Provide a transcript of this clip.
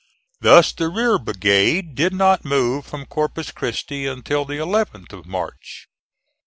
Thus the rear brigade did not move from Corpus Christi until the 11th of March.